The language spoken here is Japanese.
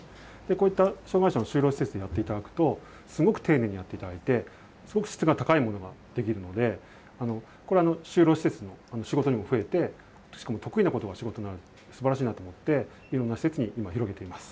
こういった障害者の就労施設にやっていただくと、すごく丁寧にやっていただいて、すごく質の高いものが出来るので、これ、就労施設の仕事も増えて、しかも得意なことが仕事になると、すばらしいなといろんな施設に今、広げています。